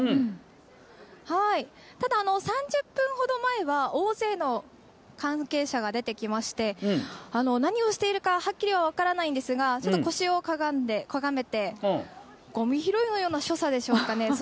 ただ、３０分ほど前は大勢の関係者が出てきまして何をしているかはっきりは分からないんですがちょっと腰をかがめてごみ拾いのような所作でしょうかね。